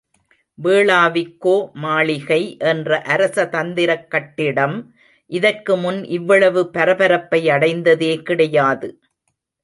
வேளாவிக்கோ மாளிகை என்ற அரசதந்திரக் கட்டிடம் இதற்குமுன் இவ்வளவு பரபரப்பை அடைந்ததே கிடையாது.